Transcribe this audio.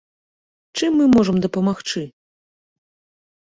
Чым мы можам дапамагчы?